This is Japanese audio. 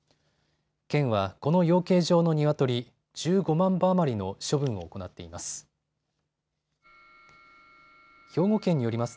県はこの養鶏場のニワトリ、１５万羽余りの処分を行っています。